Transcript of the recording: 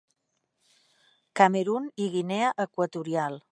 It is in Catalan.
Camerun i Guinea Equatorial.